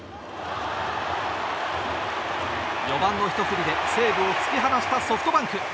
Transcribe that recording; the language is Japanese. ４番の一振りで西武を突き放したソフトバンク。